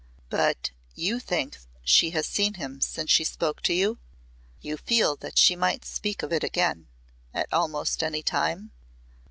"But you think she has seen him since she spoke to you? You feel that she might speak of it again at almost any time?"